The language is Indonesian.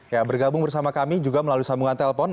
ya bergabung bersama kami juga melalui sambungan telpon